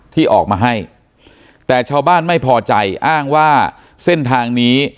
ที่ออกมาให้แต่ชาวบ้านไม่พอใจอ้างว่าเส้นทางนี้